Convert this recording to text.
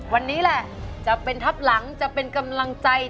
วันนี้แหละจะเป็นทับหลังจะเป็นกำลังใจ